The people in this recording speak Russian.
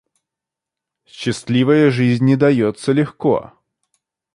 Счастливая жизнь не дается легко.